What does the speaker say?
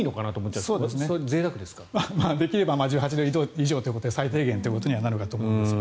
まあできれば１８度以上ということで最低限ということにはなるかと。